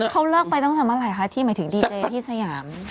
เขาเลิกไปตั้งแต่เมื่อไหร่คะที่หมายถึงดีเจที่สยาม